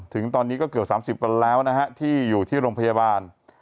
ถึงตอนนี้ก็เกือบ๓๐วันแล้วนะฮะที่อยู่ที่โรงพยาบาล